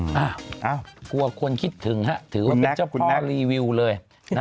ไม่อยากไปเลย